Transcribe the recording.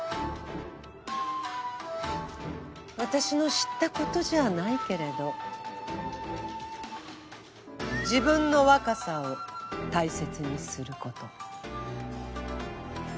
私の知ったことじゃないけれど自分の若さを大切にすること。